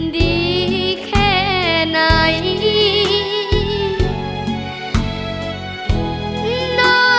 ดีแค่ไหน